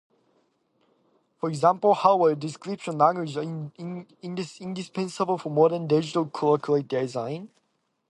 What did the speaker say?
For example, hardware description languages are indispensable for modern digital circuit design.